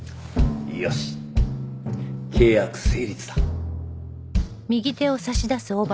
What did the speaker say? よし契約成立だ。